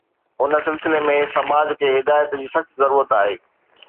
ان سلسلي ۾ سماج کي هدايت جي سخت ضرورت آهي.